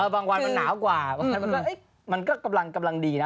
วันมันหนาวกว่าบางมันก็กำลังดีนะ